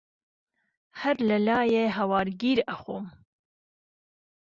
ههر له لایێ ههوار گیر ئهخۆم